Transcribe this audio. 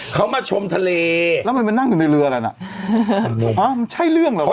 เขามาชมทะเลแล้วมันมานั่งอยู่ในเรือกันอ่ะอ้าวมันใช่เรื่องเหรอวะ